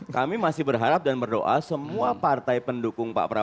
kami masih berharap dan berdoa semua partai pendukung pak prabowo